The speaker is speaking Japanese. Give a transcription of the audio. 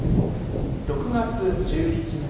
６月１７日